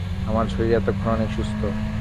আমার শরীর এক্ষণে অনেক সুস্থ।